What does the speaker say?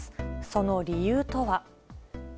その理由とは。